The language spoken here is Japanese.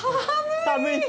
寒い！